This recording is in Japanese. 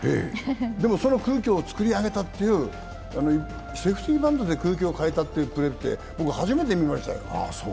でもその空気を作り上げたという、セーフティバントで空気を変えたのって僕、初めて見ましたよ。